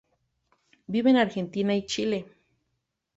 Vive en Argentina y Chile.